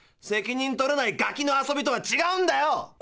責任取れないガキの遊びとはちがうんだよ！